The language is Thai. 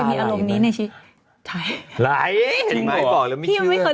แอคุณจะเล่นอารมณ์ได้เลย